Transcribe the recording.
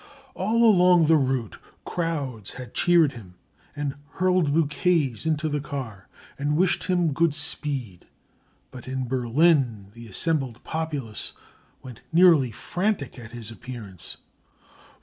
All along the route crowds had cheered him, and hurled bouquets into the car, and wished him good speed; but in Berlin the assembled populace went nearly frantic at his appearance.